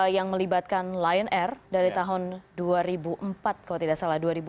yang terlibatkan lion air dari tahun dua ribu empat kalau tidak salah